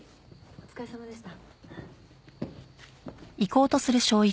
お疲れさまでした。